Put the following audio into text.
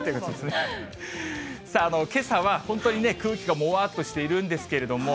さあ、けさは本当に空気がもわっとしているんですけれども。